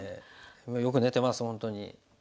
もうよく寝てます本当に。